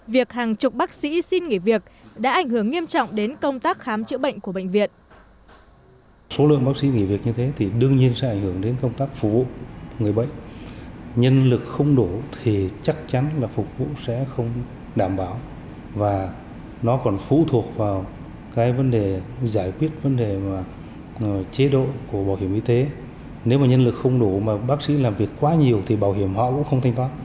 việc hàng chục bác sĩ xin nghỉ việc đã ảnh hưởng nghiêm trọng đến công tác khám chữa bệnh của bệnh viện